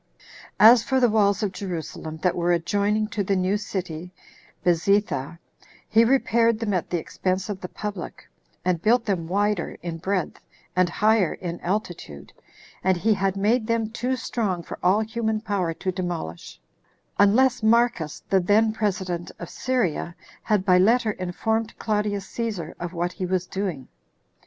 2. As for the walls of Jerusalem, that were adjoining to the new city [Bezetha], he repaired them at the expense of the public, and built them wider in breadth, and higher in altitude; and he had made them too strong for all human power to demolish, unless Marcus, the then president of Syria, had by letter informed Claudius Cæsar of what he was doing.